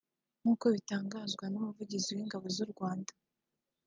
nk’uko bitangazwa n’Umuvugizi w’Ingabo z’u Rwanda